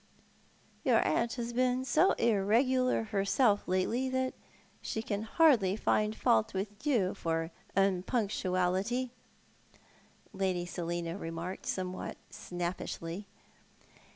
"" Your aunt has been so irregular herself lately, that she can hardly find fault with you for impunctuality," Lady Selina remarked, somewhat snappishly.